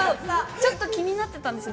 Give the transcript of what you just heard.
ちょっと気になってたんですよ